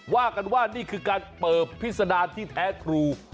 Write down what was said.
ว่ากันว่านี่คือการเปิบพิษดารที่แท้ครู